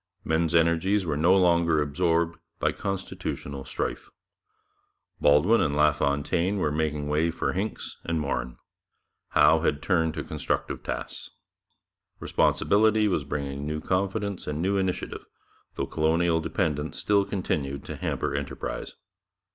Men's energies were no longer absorbed by constitutional strife. Baldwin and LaFontaine were making way for Hincks and Morin; Howe had turned to constructive tasks. Responsibility was bringing new confidence and new initiative, though colonial dependence still continued to hamper enterprise.